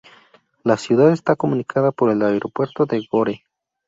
La ciudad está comunicada por el aeropuerto de Gore.